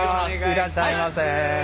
いらっしゃいませ。